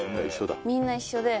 みんな一緒だ